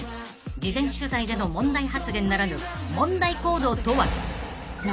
［事前取材での問題発言ならぬ問題行動とは］